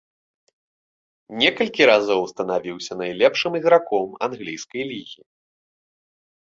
Некалькі разоў станавіўся найлепшым іграком англійскай лігі.